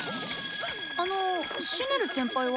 あのシネル先輩は？